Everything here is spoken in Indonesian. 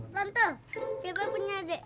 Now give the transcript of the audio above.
tante cepet punya dek